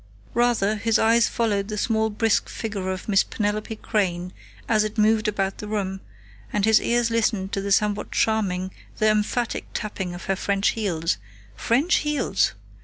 Rather, his eyes followed the small, brisk figure of Miss Penelope Crain, as it moved about the room, and his ears listened to the somehow charming though emphatic tapping of her French heels.... French heels!